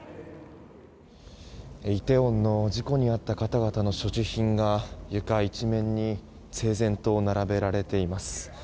イテウォンの事故に遭った方々の所持品が床一面に整然と並べられています。